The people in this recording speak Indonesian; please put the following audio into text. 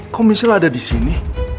kok michel ada di sini